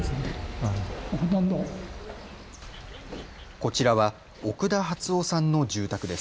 こちらは奥田波都夫さんの住宅です。